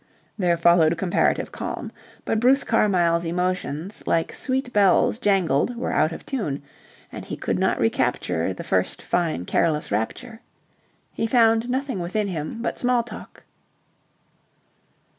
There followed comparative calm. But Bruce Carmyle's emotions, like sweet bells jangled, were out of tune, and he could not recapture the first fine careless rapture. He found nothing within him but small talk.